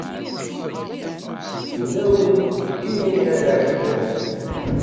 Ula win iwumi ara ḥkuɣ.